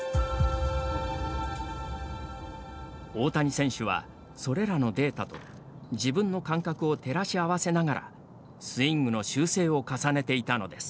大谷選手はそれらのデータと自分の感覚を照らし合わせながらスイングの修正を重ねていたのです。